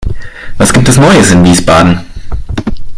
Was gibt es Neues in Wiesbaden?